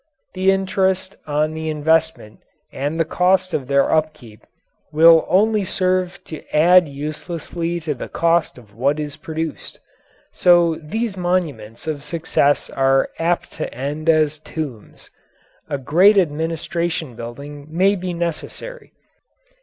The interest on the investment and the cost of their upkeep only serve to add uselessly to the cost of what is produced so these monuments of success are apt to end as tombs. A great administration building may be necessary.